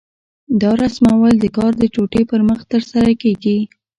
دا رسمول د کار د ټوټې پر مخ ترسره کېږي.